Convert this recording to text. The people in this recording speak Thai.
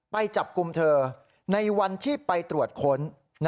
ไปจับกลุ่มเธอในวันที่ไปตรวจค้น